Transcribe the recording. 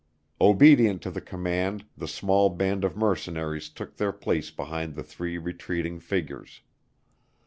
Obedient to the command, the small band of mercenaries took their place behind the three retreating figures.